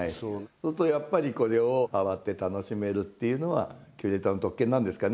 するとやっぱりこれを触って楽しめるっていうのはキュレーターの特権なんですかね？